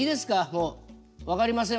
もう分かりません